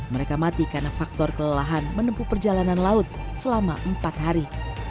mereka mati karena faktor kelelahan menempuh perjalanan laut selama empat hari